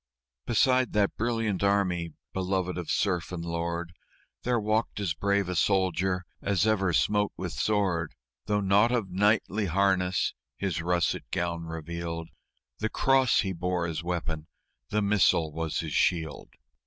Beside that brilliant army, beloved of serf and lord, There walked as brave a soldier as ever smote with sword, Though nought of knightly harness his russet gown revealed The cross he bore as weapon, the missal was his shield.